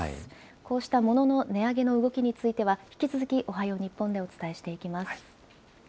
こうした物の値上げの動きについては、引き続きおはよう日本でお伝えしていきます。